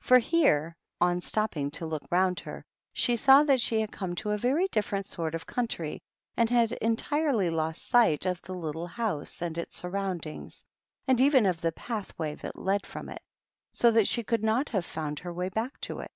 For here, on stopping to look round her, sh saw that she had come to a very different sort o country, and had entirely lost sight of the littl house and its surroundings, and even of the patl way that led from it, so that she could not hai found her way back to it.